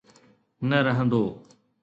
نه رهندو.